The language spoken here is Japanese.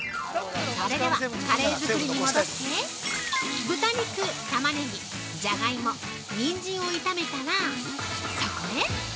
それではカレー作りに戻って豚肉、タマネギ、じゃがいもにんじんを炒めたら、そこへ！